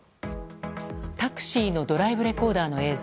タクシーのドライブレコーダーの映像。